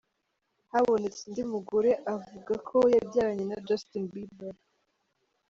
Habonetse undi mugore uvuga ko yabyaranye na Justin Bieber.